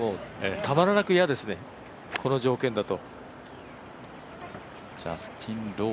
たまらなく嫌ですね、この条件だと。